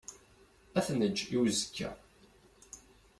Ad t-neǧǧ i uzekka.